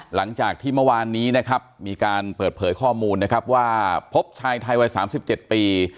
หลังจากที่เมื่อวานนี้มีการเปิดเผยข้อมูลว่าพบชายไทยวัย๓๗ปี